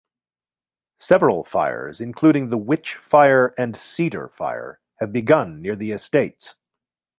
Several fires including the Witch Fire and Cedar Fire have begun near the Estates.